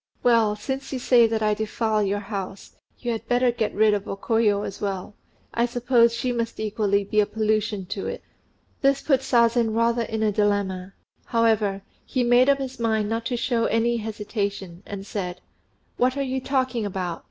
"Well, since you say that I defile your house, you had better get rid of O Koyo as well. I suppose she must equally be a pollution to it." This put Sazen rather in a dilemma; however, he made up his mind not to show any hesitation, and said, "What are you talking about?